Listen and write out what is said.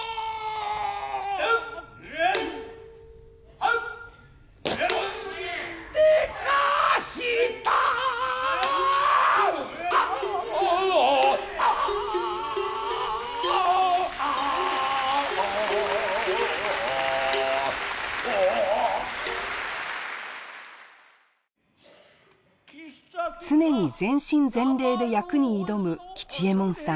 ア！出かした常に全身全霊で役に挑む吉右衛門さん。